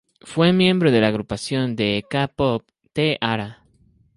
Fue miembro de la agrupación de k-pop T-ara.